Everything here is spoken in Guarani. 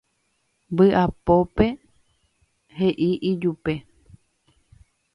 vy'apópe he'i ijupe